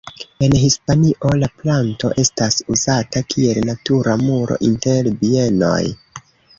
En Hispanio la planto estas uzata kiel natura muro inter bienoj.